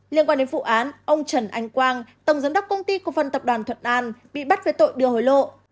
liên quan đến vụ án ông trần anh quang tổng giám đốc công ty công văn tập đoàn thuận an bị bắt về tội đưa hối lộ